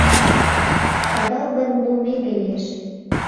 Шагал гын лу меҥге лиеш.